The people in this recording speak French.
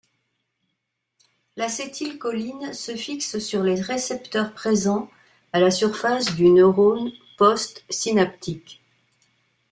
L'acétylcholine se fixe sur les récepteurs présents à la surface du neurone postsynaptique.